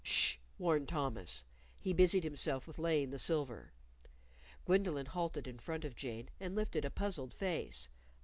"Sh!" warned Thomas. He busied himself with laying the silver. Gwendolyn halted in front of Jane, and lifted a puzzled face.